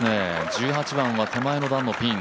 １８番は手前の段のピン。